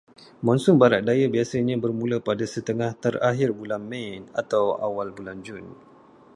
Monsun barat daya biasanya bermula pada setengah terakhir bulan Mei atau awal bulan Jun.